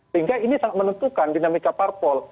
sehingga ini sangat menentukan dinamika parpol